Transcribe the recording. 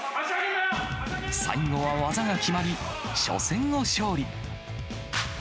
最後は技が決まり、初戦を勝利。